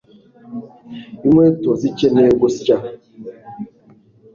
Inkweto zikeneye gusya